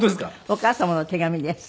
お母様の手紙です。